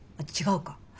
違うか。